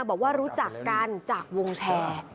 บอกว่ารู้จักกันจากวงแชร์